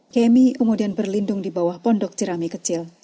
kemi kemudian berlindung di bawah pondok jerami kecil